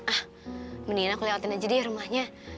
ah mendingan aku lewatin aja deh rumahnya